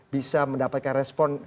bisa mendapatkan respon